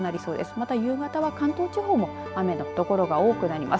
また夕方は関東地方も雨の所が多くなります。